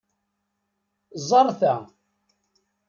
Ẓer ta.